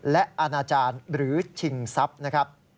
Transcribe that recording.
และอาณาจารย์หรือชิงทรัพย์นะครับ